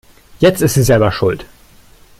Jetzt ist sie selber schuld.